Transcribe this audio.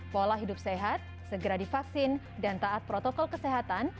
pola hidup sehat segera divaksin dan taat protokol kesehatan